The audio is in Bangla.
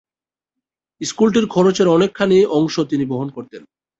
স্কুলটির খরচের অনেকখানি অংশ তিনি বহন করতেন।